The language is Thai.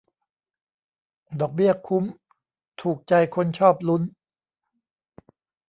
ดอกเบี้ยคุ้ม ถูกใจคนชอบลุ้น